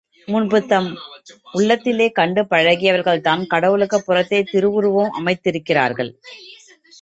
முன்பு தம் உள்ளத்திலே கண்டு பழகியவர்கள்தாம் கடவுளுக்குப் புறத்தே திருவுருவம் அமைத்திருக்கிறார்கள்.